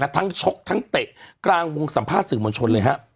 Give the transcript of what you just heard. ทั้งชกทั้งเตะกลางวงสัมภาษะสื่อมวลชน